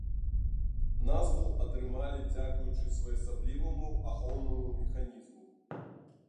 Назву атрымалі дзякуючы своеасабліваму ахоўнаму механізму.